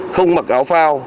không mặc áo phao